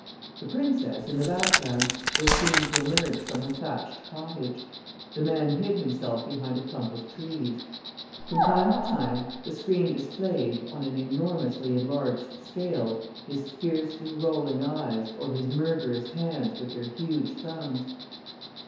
The princess, in the background, was seen to emerge from the thatched cottage. The man hid himself behind a clump of trees. From time to time, the screen displayed, on an enormously enlarged scale, his fiercely rolling eyes or his murderous hands with their huge thumbs.